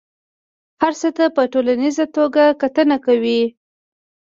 هر څه ته په ټوليزه توګه کتنه کوي.